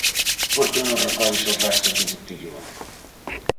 Por que non recolles os restos do botellón?